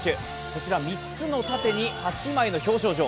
こちら３つのメダルに、８枚の表彰状。